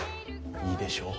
いいでしょう！